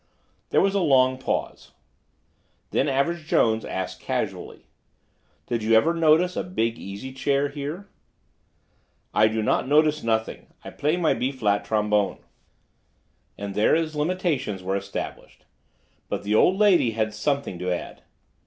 '" There was a long pause. Then Average Jones asked casually: "Did you ever notice a big easy chair here?" "I do not notice nothing. I play my B flat trombone." And there his limitations were established. But the old lady had something to add.